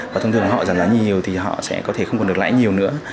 và thông thường họ giảm giá nhiều thì họ sẽ không còn được lãi nhiều nữa